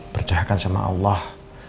percayakan sama allah